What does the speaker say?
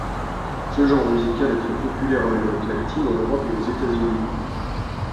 Ce genre musical est très populaire en Amérique latine, en Europe et aux États-Unis.